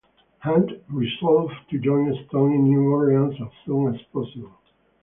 Hunt resolved to join Stone in New Orleans as soon as possible.